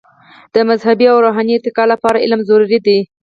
د مذهبي او روحاني ارتقاء لپاره علم ضروري دی.